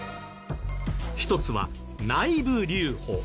一つは内部留保。